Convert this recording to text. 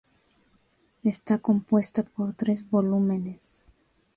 Está compuesta por tres volúmenes.